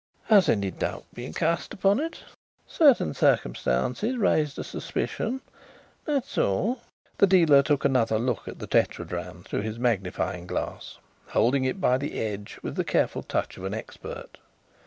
"Has any doubt been cast upon it?" "Certain circumstances raised a suspicion that is all." The dealer took another look at the tetradrachm through his magnifying glass, holding it by the edge with the careful touch of an expert.